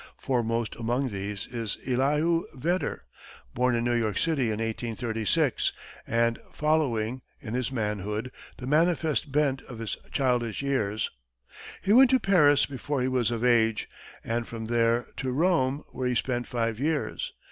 Foremost among these is Elihu Vedder, born in New York City in 1836, and following, in his manhood, the manifest bent of his childish years. He went to Paris before he was of age, and from there to Rome, where he spent five years.